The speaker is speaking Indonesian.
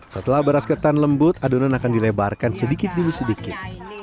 setelah beras ketan lembut adonan akan dilebarkan sedikit demi sedikit